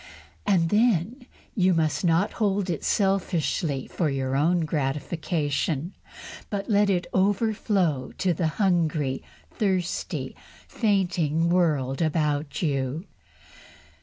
And then you must not hold it selfishly for your own gratification, but let it overflow to the hungry, thirsty, fainting world about you.